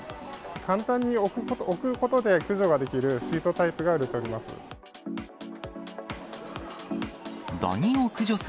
簡単に置くことで駆除ができるシートタイプが売れております。